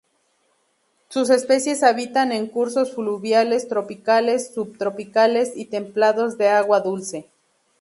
Sus especies habitan en cursos fluviales tropicales, subtropicales, y templados de agua dulce.